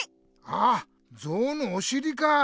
ああゾウのおしりか！